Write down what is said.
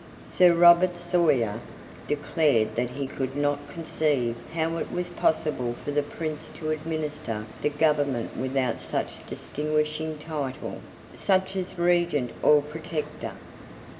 Sir Robert Sawyer declared that he could not conceive how it was possible for the Prince to administer the government without some distinguishing title, such as Regent or Protector.